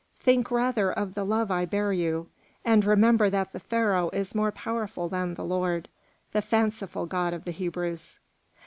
Think rather of the love I bear you, and remember that the Pharaoh is more powerful than the Lord, the fanciful god of the Hebrews."